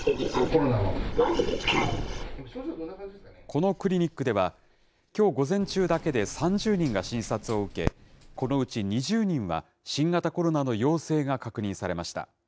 このクリニックでは、きょう午前中だけで３０人が診察を受け、このうち２０人は新型コロナの陽性が確認されました。